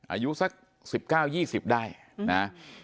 อายุสัก๑๙๒๐ได้นะ